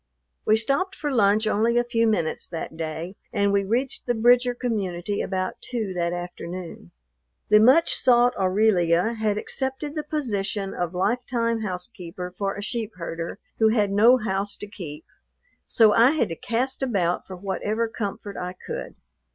We stopped for lunch only a few minutes that day, and we reached the Bridger community about two that afternoon. The much sought Aurelia had accepted the position of lifetime housekeeper for a sheep herder who had no house to keep, so I had to cast about for whatever comfort I could.